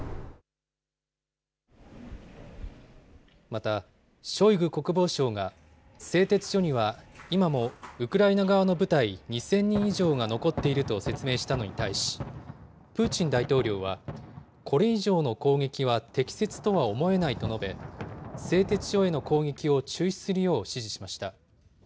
また、ショイグ国防相が製鉄所には今もウクライナ側の部隊２０００人以上が残っていると説明したのに対し、プーチン大統領は、これ以上の攻撃は適切とは思えないと述べ、製鉄所への攻撃を中止するよう指示しました。